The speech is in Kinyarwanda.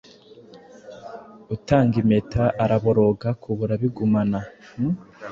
Utanga impeta araboroga kubura abigumana